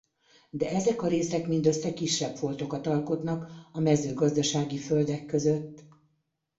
De ezek a részek mindössze kisebb foltokat alkotnak a mezőgazdasági földek között.